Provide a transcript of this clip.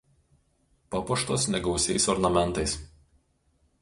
Papuoštos negausiais ornamentais.